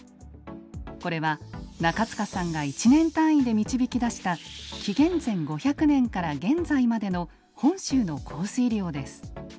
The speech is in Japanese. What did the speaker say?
これは中塚さんが１年単位で導き出した紀元前５００年から現在までの本州の降水量です。